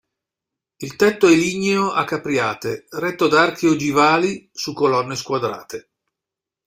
Il tetto è ligneo a capriate, retto da archi ogivali su colonne squadrate.